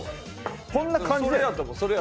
こんな感じだよ。